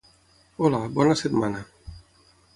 Hola, bona setmana.